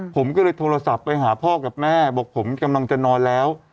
ผมก็เลยโทรศัพท์ไปหาพ่อกับแม่บอกผมกำลังจะนอนแล้ว